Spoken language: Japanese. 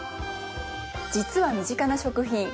実は身近な食品